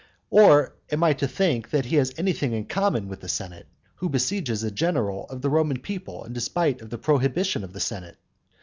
Or am I to think that he has anything in common with the senate, who besieges a general of the Roman people in spite of the prohibition of the senate?